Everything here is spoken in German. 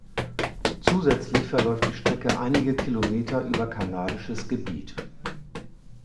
Zusätzlich verläuft die Strecke einige Kilometer über kanadisches Gebiet.